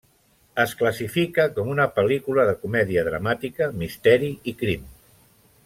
Es classifica com una pel·lícula de comèdia dramàtica, misteri i crim.